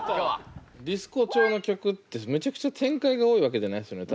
ディスコ調の曲ってめちゃくちゃ展開が多いわけじゃないですよね